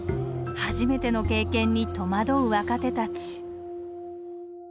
初めての経験に戸惑う若手たち